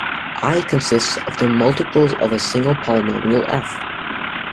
"I" consists of the multiples of a single polynomial "f".